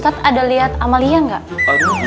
ustadz ada liat amalia gak